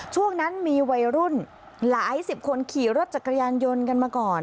ช่วงนั้นมีวัยรุ่นหลายสิบคนขี่รถจักรยานยนต์กันมาก่อน